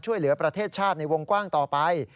ช่วยเหลือประเทศชาติในวงกว้างต่อไป